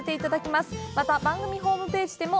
また番組ホームページでも